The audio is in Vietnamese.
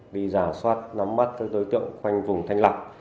đi giả soát nắm mắt các đối tượng quanh vùng thanh lập